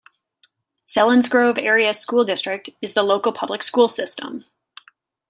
Selinsgrove Area School District is the local public school system.